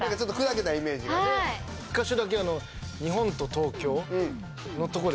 １か所だけ。